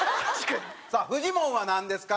さあフジモンはなんですか？